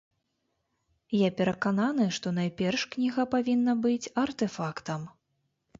Я перакананы, што найперш кніга павінна быць артэфактам.